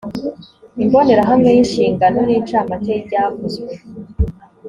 imbonerahamwe y’inshingano n’incamake y’ibyavuzwe